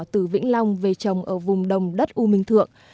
từ vĩnh long về trồng ở vùng đồng đất u minh thượng